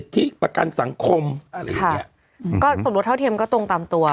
ที่ประกันสังคมอะไรอย่างเงี้ยอืมก็สมรสเท่าเทียมก็ตรงตามตัว